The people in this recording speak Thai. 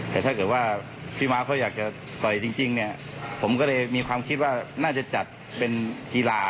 แต่ถ้าเกิดว่าพี่ม้าเขาอยากจะต่อยจริงเนี่ยผมก็เลยมีความคิดว่าน่าจะจัดเป็นกีฬา